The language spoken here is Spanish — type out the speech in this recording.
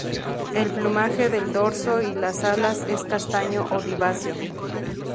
El plumaje del dorso y las alas es castaño oliváceo.